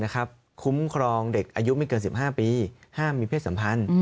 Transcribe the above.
คุ้มครองเด็กอายุไม่เกิน๑๕ปีห้ามมีเพศสัมพันธ์